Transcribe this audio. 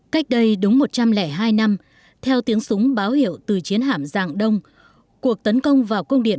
cách đây đúng một trăm linh hai năm theo tiếng súng báo hiệu từ chiến hạm dạng đông cuộc tấn công vào cung điện